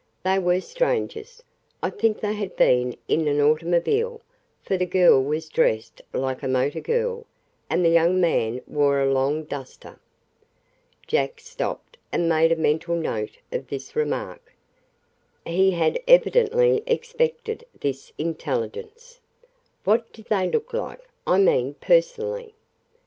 They were strangers. I think they had been in an automobile, for the girl was dressed like a motor girl, and the young man wore a long duster." Jack stopped and made a mental note of this remark. He had evidently expected this intelligence. "What did they look like I mean personally?"